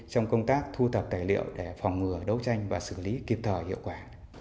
trong công tác thu thập tài liệu để phòng ngừa đấu tranh và xử lý kịp thời hiệu quả